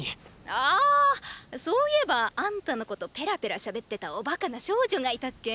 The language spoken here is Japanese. あーそういえばあんたのことペラペラしゃべってたおバカな少女がいたっけ。